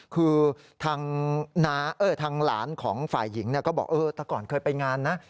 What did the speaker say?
คือทางหลานของฝ่ายหญิงก็บอกแต่ก่อนเคยไปงานนะ